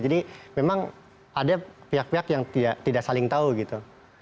jadi memang ada pihak pihak yang tidak saling tahu gitu